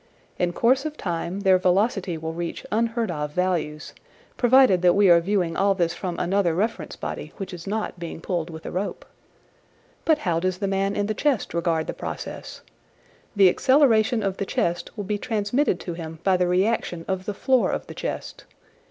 In course of time their velocity will reach unheard of values provided that we are viewing all this from another reference body which is not being pulled with a rope. But how does the man in the chest regard the Process ? The acceleration of the chest will be transmitted to him by the reaction of the floor of the chest.